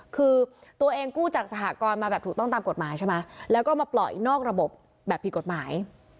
คือตัวเองกู้จากสหกรณ์มาแบบถูกต้องตามกฎหมายใช่ไหมแล้วก็มาปล่อยนอกระบบแบบผิดกฎหมาย